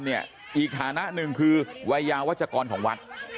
อีกฐานะหนึ่งคือวัยยาวัชกรของวัด